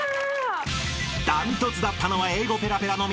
［断トツだったのは英語ペラペラの三船さん］